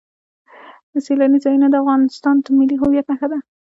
سیلانی ځایونه د افغانستان د ملي هویت نښه ده.